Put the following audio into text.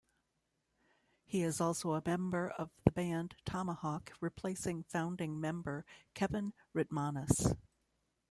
He is also a member of the band Tomahawk, replacing founding member Kevin Rutmanis.